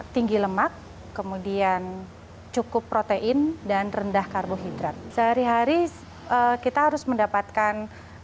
tinggi lemak kemudian cukup protein dan rendah karbohidrat sehari hari kita harus mendapatkan